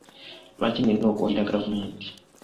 Lwaki nnina okuwagira gavumenti?